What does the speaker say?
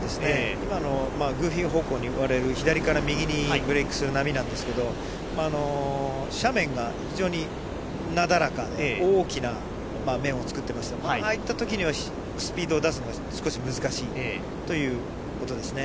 今のグーフィ方向に割れる左から右にブレークする波なんですけども、斜面が非常になだらかで大きな面を作ってますが、ああいったときにはスピードを出すのが少し難しいということですね。